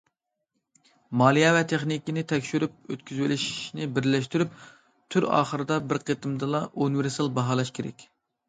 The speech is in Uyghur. مالىيە ۋە تېخنىكىنى تەكشۈرۈپ ئۆتكۈزۈۋېلىشنى بىرلەشتۈرۈپ تۈر ئاخىرىدا بىر قېتىمدىلا ئۇنىۋېرسال باھالاش كېرەك.